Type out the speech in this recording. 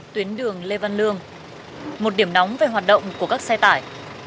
tuyến đường lê văn lương một điểm nóng về hoạt động của các xe tải